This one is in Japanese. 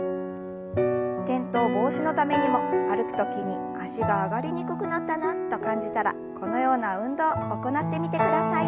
転倒防止のためにも歩く時に脚が上がりにくくなったなと感じたらこのような運動行ってみてください。